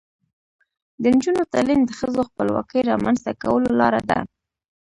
د نجونو تعلیم د ښځو خپلواکۍ رامنځته کولو لاره ده.